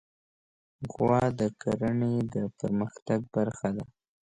غوا د کرهڼې د پرمختګ برخه ده.